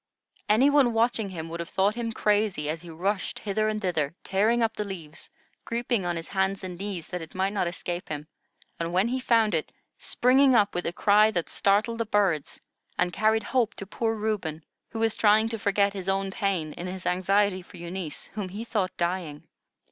Any one watching him would have thought him crazy, as he rushed hither and thither, tearing up the leaves, creeping on his hands and knees that it might not escape him, and when he found it, springing up with a cry that startled the birds, and carried hope to poor Reuben, who was trying to forget his own pain in his anxiety for Eunice, whom he thought dying.